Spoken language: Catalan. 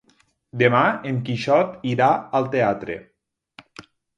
Demà en Quixot irà al teatre.